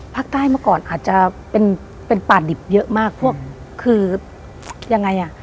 เมื่อก่อนอาจจะเป็นเป็นป่าดิบเยอะมากพวกคือยังไงอ่ะ